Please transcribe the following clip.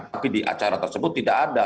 tapi di acara tersebut tidak ada